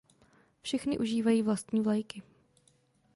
Všechny užívají vlastní vlajky.